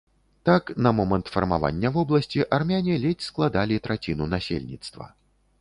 Так, на момант фармавання вобласці армяне ледзь складалі траціну насельніцтва.